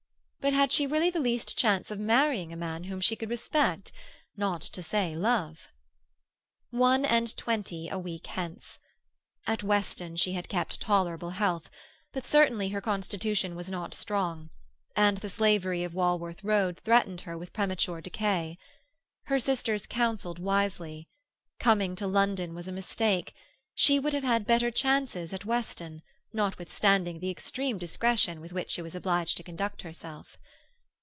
But had she really the least chance of marrying a man whom she could respect—not to say love? One and twenty a week hence. At Weston she had kept tolerable health, but certainly her constitution was not strong, and the slavery of Walworth Road threatened her with premature decay. Her sisters counselled wisely. Coming to London was a mistake. She would have had better chances at Weston, notwithstanding the extreme discretion with which she was obliged to conduct herself.